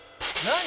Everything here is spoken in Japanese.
何？」